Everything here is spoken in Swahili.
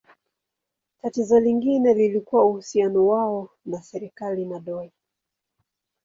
Tatizo lingine lilikuwa uhusiano wao na serikali na dola.